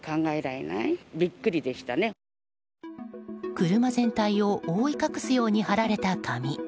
車全体を覆い隠すように貼られた紙。